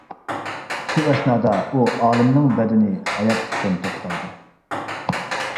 شۇ ئەسنادا ئۇ ئالىمنىڭ بەدىنى ھاياتلىقتىن توختايدۇ.